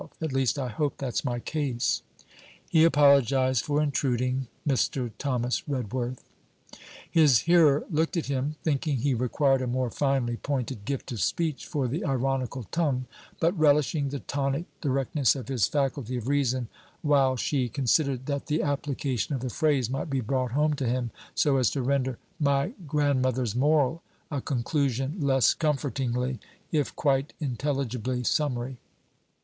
At least I hope that's my case.' He apologized for intruding Mr. Thomas Redworth. His hearer looked at him, thinking he required a more finely pointed gift of speech for the ironical tongue, but relishing the tonic directness of his faculty of reason while she considered that the application of the phrase might be brought home to him so as to render 'my Grandmother's moral' a conclusion less comfortingly, if quite intelligibly, summary.